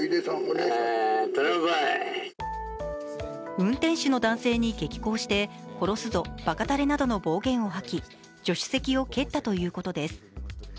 運転手の男性に激高して、殺すぞ、ばかたれなどの暴言を吐き助手席を蹴ったということです。